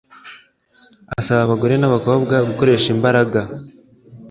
ASABA abagore n'abakobwa gukoresha imbaraga